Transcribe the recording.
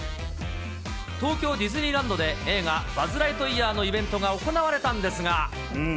東京ディズニーランドで映画、バズ・ライトイヤーのイベントが行われたんですが。